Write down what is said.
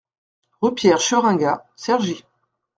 Rue Pierre Scheringa, Cergy